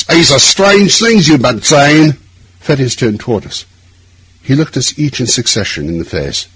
These are strange things you have been saying.' Fettes turned toward us; he looked us each in succession in the face.